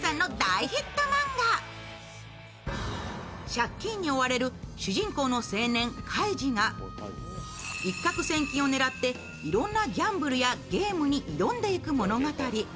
借金に追われる主人公の青年・カイジが一獲千金を狙っていろんなギャンブルやゲームに挑んでいく物語。